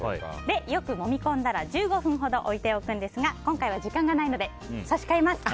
よくもみ込んだら１５分ほど置いておくんですが今回は時間がないので差し替えます。